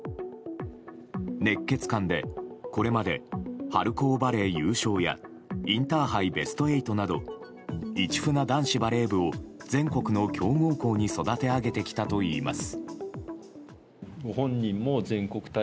熱血漢で、これまで春高バレー優勝やインターハイベスト８など市船男子バレー部を全国の強豪校に育て上げてきたといいます。